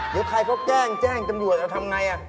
เดี๋ยวใครเขาแจ้งแจ้งตำรวจเอาทำไง